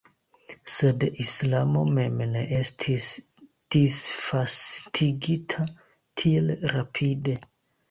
Sed islamo mem ne estis disvastigita tiel rapide.